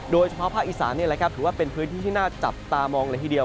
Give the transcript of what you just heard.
โดยเฉพาะภาคอีสานนี่แหละครับถือว่าเป็นพื้นที่ที่น่าจับตามองเลยทีเดียว